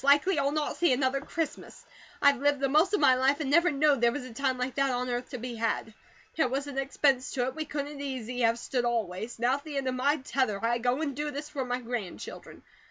Likely I'll not see another Christmas. I've lived the most of my life, and never knowed there was a time like that on earth to be had. There wasn't expense to it we couldn't easy have stood, always. Now, at the end of my tether, I go and do this for my grandchildren.